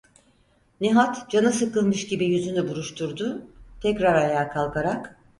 Nihat canı sıkılmış gibi yüzünü buruşturdu, tekrar ayağa kalkarak: